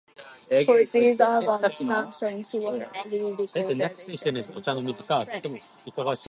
For these albums, some songs were re-recorded in Japanese or French.